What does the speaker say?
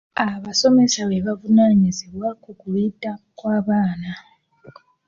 Abasomesa be bavunaanyizibwa ku kuyita kw'abaana.